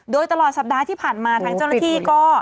โดยตลอดสัปดาห์ที่ผ่านมาทางเจ้าหน้าที่ก็